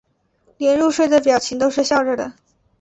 连入睡的表情都是笑着的